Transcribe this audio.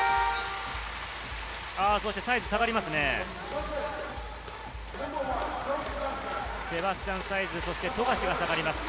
そしてサイズが下がりますね。